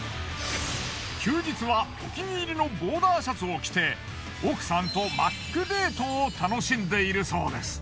休日はお気に入りのボーダーシャツを着て奥さんとマックデートを楽しんでいるそうです。